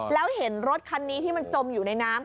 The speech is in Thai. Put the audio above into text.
แล้วเห็นรถคันนี้ที่มันจมอยู่ในน้ำ